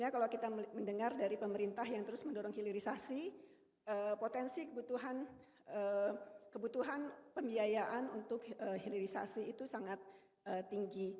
kalau kita mendengar dari pemerintah yang terus mendorong hilirisasi potensi kebutuhan pembiayaan untuk hilirisasi itu sangat tinggi